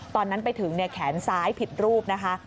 ตอนนั้นไปถึงแขนซ้ายผิดรูปนะคะ